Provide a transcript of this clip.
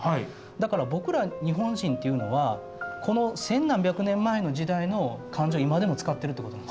だから僕ら日本人っていうのはこの千何百年前の時代の漢字を今でも使ってるってことなんですよ。